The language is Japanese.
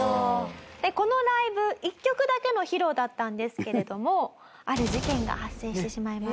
このライブ１曲だけの披露だったんですけれどもある事件が発生してしまいます。